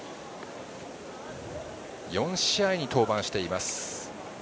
４試合に登板しています。